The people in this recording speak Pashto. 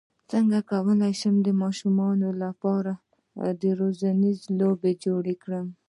څنګه کولی شم د ماشومانو لپاره ښوونیزې لوبې جوړې کړم